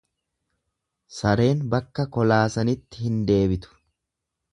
Sareen bakka kolaasanitti hin deebitu.